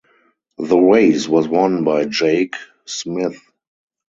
The race was won by Jake Smith.